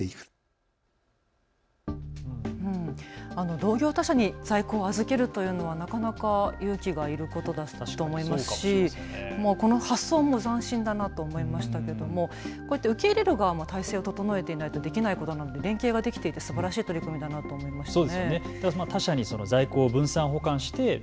同業他社に在庫を預けるというのはなかなか勇気がいることだと思いますし、この発想も斬新だなと思いましたけども、受け入れる側も体制を整えていないとできないことなので連携ができていてすばらしい取り組みだなと思いましたね。